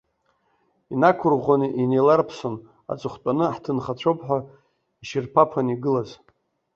Инақәырӷәӷәаны инеиларԥсон аҵыхәтәаны ҳҭынхацәоуп ҳәа ишьырԥаԥаны игылаз.